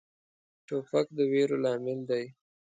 توپک د ویرو لامل دی.